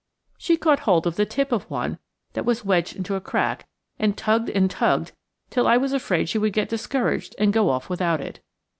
She caught hold of the tip of one that was wedged into a crack, and tugged and tugged till I was afraid she would get discouraged and go off without it.